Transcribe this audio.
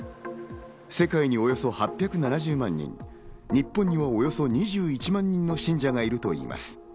世界におよそ８７０万人、日本におよそ２１万人の信者がいるといいます。